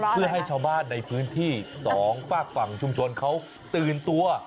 เพื่อให้ชาวบ้านในพื้นที่สองฝากฝั่งชุมชนเขาตื่นตัว